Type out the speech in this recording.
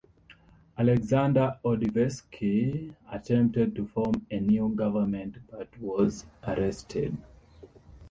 Alexander Odoevsky attempted to form a new government but was arrested.